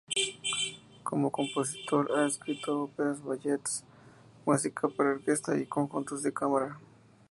Como compositor ha escrito óperas, ballets, música para orquesta y conjuntos de cámara.